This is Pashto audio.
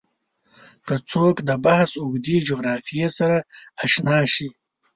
که څوک د بحث اوږدې جغرافیې سره اشنا شي